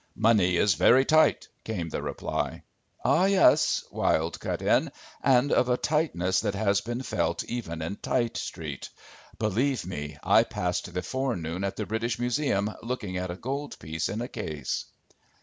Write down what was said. "Money is very tight," came the reply. "Ah, yes," Wilde cut in. "And of a tightness that has been felt even in Tite street. Believe me, I passed the forenoon at the British Museum looking at a gold piece in a case."